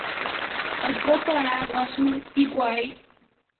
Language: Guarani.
Oiko porã guasu hikuái.